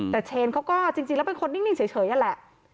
แต่เชนเขาก็จริงแล้วเป็นคนนิ่งเฉยนั่นแหละ